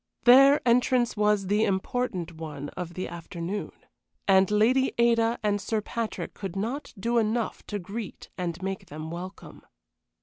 Their entrance was the important one of the afternoon, and Lady Ada and Sir Patrick could not do enough to greet and make them welcome.